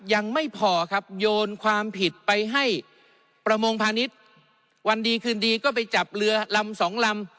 ยังไม่พอครับโยนความผิดไปให้ประมงพาณิชย์วันดีคืนดีก็ไปจับเรือลำสองลำ